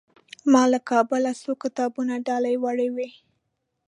ما له کابله څو کتابونه ډالۍ وړي وو.